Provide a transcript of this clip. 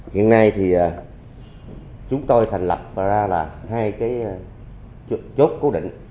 hiện nay thì chúng tôi thành lập và ra là hai cái chốt cố định